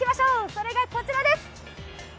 それがこちらです。